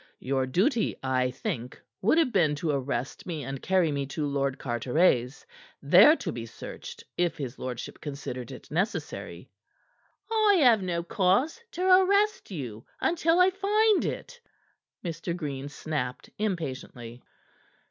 Your duty, I think, would have been to arrest me and carry me to Lord Carteret's, there to be searched if his lordship considered it necessary." "I have no cause to arrest you until I find it," Mr. Green snapped impatiently.